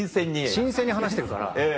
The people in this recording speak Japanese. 新鮮に話してるから。